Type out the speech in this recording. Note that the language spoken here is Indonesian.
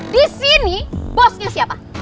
di sini bosnya siapa